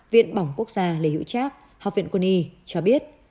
viện bỏng quốc gia lê hữu trác học viện quân y cho biết